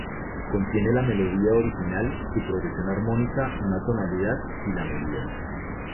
Contiene la melodía original, su progresión armónica, una tonalidad, y la medida.